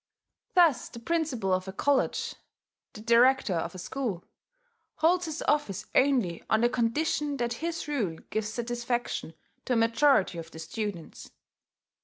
Thus the principal of a college, the director of a school, holds his office only on the condition that his rule gives satisfaction to a majority of the students.